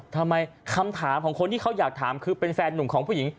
คำถามของคนที่เขาอยากถามคือเป็นแฟนหนุ่มของผู้หญิง